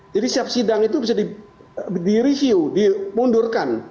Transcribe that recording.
jadi setiap sidang itu bisa direview dimundurkan